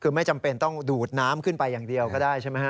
คือไม่จำเป็นต้องดูดน้ำขึ้นไปอย่างเดียวก็ได้ใช่ไหมฮะ